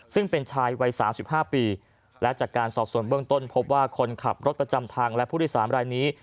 ซึ่งเป็นชายวัย๓๕ปีและจากการสอบส่วนเบื้องต้นพบว่าคนขับรถประจำทางและผู้โดยสารรายนี้